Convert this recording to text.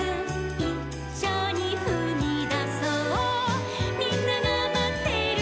「『いっしょにふみだそうみんながまってるよ』」